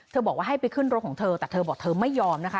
บอกว่าให้ไปขึ้นรถของเธอแต่เธอบอกเธอไม่ยอมนะคะ